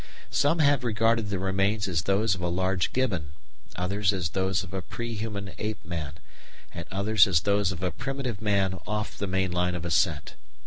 Some have regarded the remains as those of a large gibbon, others as those of a pre human ape man, and others as those of a primitive man off the main line of ascent.